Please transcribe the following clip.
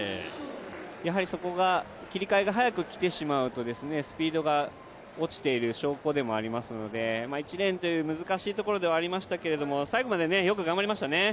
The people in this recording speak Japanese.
やはりそこが切り替えが早くきてしまうとスピードが落ちている証拠でもありますので１レーンという、難しいところではありましたけども、最後までよく頑張りましたね。